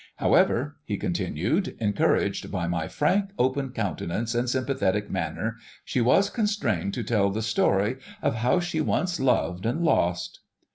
"However," he continued, "encouraged by my frank open countenance and sympathetic manner, she was constrained to tell the story of how she once loved and lost...."